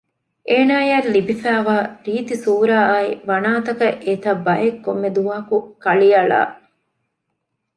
އޭނާއަށް ލިބިފައިވާ ރީތި ސޫރައާއި ވަނާތަކަށް އެތަށް ބައެއް ކޮންމެ ދުވަހަކު ކަޅިއަޅަ